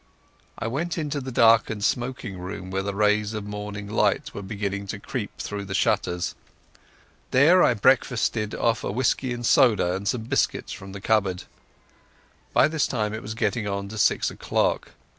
I went into the darkened smoking room where the rays of morning light were beginning to creep through the shutters. There I breakfasted off a whisky and soda and some biscuits from the cupboard. By this time it was getting on for six o'clock.